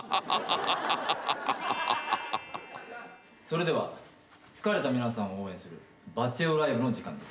それでは疲れた皆さんを応援するバチェ男ライブの時間です。